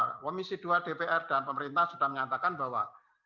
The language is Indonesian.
komisi dua dpr dan pemerintah sudah menyatakan bahwa